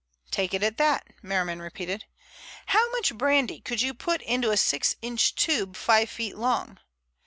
"Take it at that," Merriman repeated. "How much brandy could you put into a six inch tube, five feet long?"